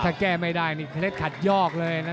ถ้าแก้ไม่ได้นี่เพชรขัดยอกเลยนะ